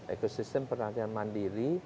ekosistem pertanian mandiri